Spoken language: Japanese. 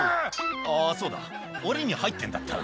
「あっそうだ檻に入ってんだった」